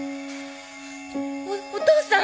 おお父さん！